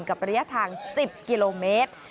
ระยะทาง๑๐กิโลเมตร